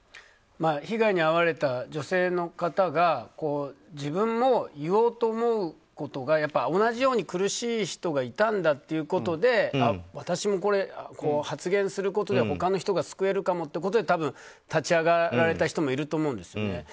被害に遭われた女性の方が自分も言おうと思うことが同じように苦しい人がいたんだということで私も発言することで他の人が救えるかもということで立ち上がられた人もいると思うんですよね。